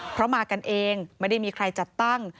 เพราะมากันเองไม่ได้มีใครจัดตั้ง